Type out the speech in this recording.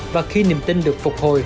và khi niềm tin được phục hồi